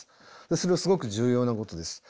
それはすごく重要なことです。